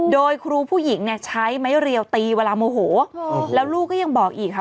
โดยครูผู้หญิงเนี่ยใช้ไม้เรียวตีเวลาโมโหแล้วลูกก็ยังบอกอีกค่ะ